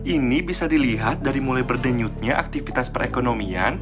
ini bisa dilihat dari mulai berdenyutnya aktivitas perekonomian